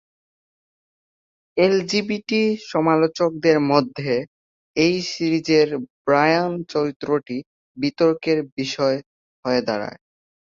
LGBT সমালোচকদের মধ্যে এই সিরিজের ব্রায়ান চরিত্রটি বিতর্কের বিষয় হয়ে দাঁড়ায়।